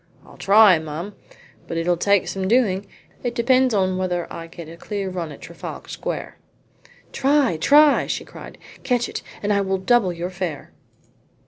"I'll try, ma'am, but it'll take some doing. It depends whether I get a clear run at Trafalgar Square." "Try, try!" she cried. "Catch it, and I will double your fare."